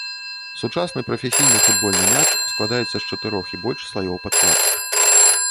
Сучасны прафесійны футбольны мяч складаецца з чатырох і больш слаёў падкладкі.